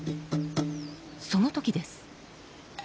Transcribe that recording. その時です。